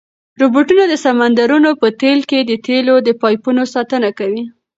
روبوټونه د سمندرونو په تل کې د تېلو د پایپونو ساتنه کوي.